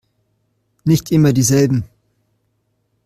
Nicht immer dieselben!